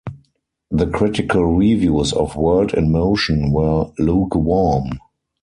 The critical reviews of "World in Motion" were lukewarm.